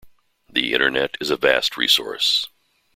The internet is a vast resource.